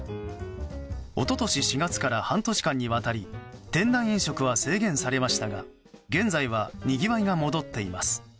一昨年４月から半年間にわたり店内飲食は制限されましたが現在はにぎわいが戻っています。